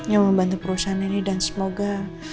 yang membantu perusahaan ini dan semoga